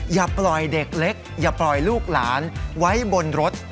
อย่าปล่อยเด็กเล็กอย่าปล่อยลูกหลานไว้บนรถ